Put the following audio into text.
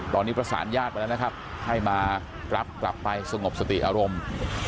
ตอนนี้ประสานญาติมาแล้วนะครับให้มารับกลับไปสงบสติอารมณ์